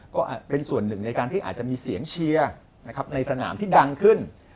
ก็เป็นส่วนหนึ่งในการที่อาจจะมีเสียงเชียร์ในสนามที่ดังขึ้น